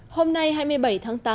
hôm nay hai mươi bảy tháng tám